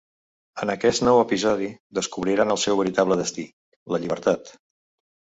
En aquest nou episodi descobriran el seu veritable destí: la llibertat.